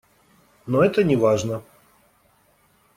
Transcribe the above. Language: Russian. Но это не важно.